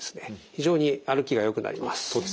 非常に歩きがよくなります。